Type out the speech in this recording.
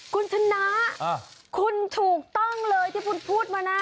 คุณชนะคุณถูกต้องเลยที่คุณพูดมานะ